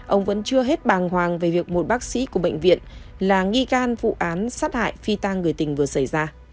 ông vẫn chưa hết bàng hoàng về việc một bác sĩ của bệnh viện là nghi gan vụ án sát hại phi tang người tình vừa xảy ra